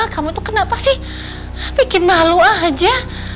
kamu tuh kenapa sih bikin malu aja